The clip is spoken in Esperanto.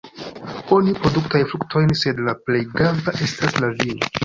Oni produktaj fruktojn, sed la plej grava estas la vino.